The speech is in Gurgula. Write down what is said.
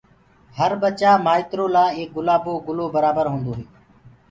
هر ٻچآ ٻآئترو لآ ايڪ گُلآبو گُلو برآبر هوندوئي